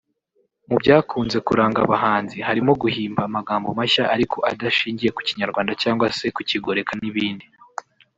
Kimwe mu byakunze kuranga abahanzi harimo guhimba amagambo mashya ariko adashingiye ku Kinyarwanda cyangwa se kukigoreka n’ibindi